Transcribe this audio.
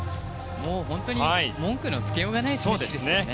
本当に文句のつけようがない選手ですね。